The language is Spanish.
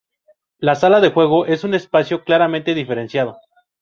La sala de juego es un espacio claramente diferenciado.